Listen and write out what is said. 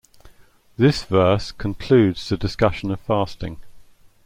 This verse concludes the discussion of fasting.